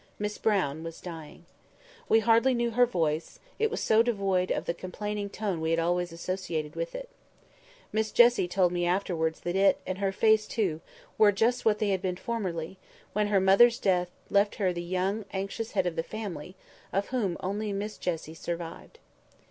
Miss Brown was dying. We hardly knew her voice, it was so devoid of the complaining tone we had always associated with it. Miss Jessie told me afterwards that it, and her face too, were just what they had been formerly, when her mother's death left her the young anxious head of the family, of whom only Miss Jessie survived.